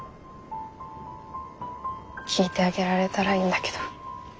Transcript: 聞いてあげられたらいいんだけど。